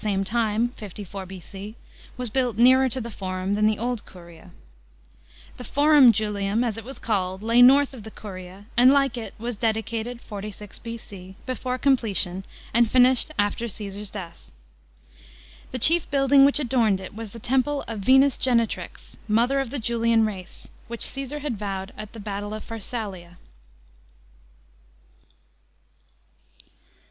«ame time (54 B.C.), was built nearer to the Forum than the old cuiia The Forum Julium, as it was called, lay north of the Curia, and, like it, was dedicated (46 B.C.) before completion, and finished a'ter Cse ar's dtath. The chie' building which adorned it was the Temple of V« nus Genet rix, moth r of the Julian race, which Osesar had vowed at the battle ol Pharsalia.